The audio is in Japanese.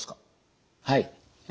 はい。